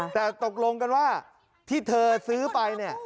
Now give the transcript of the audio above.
แต่ตกลงว่าที่เธอซื้อไป